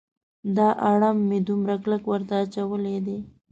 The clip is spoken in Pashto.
دا اړم مې دومره کلک ورته اچولی دی.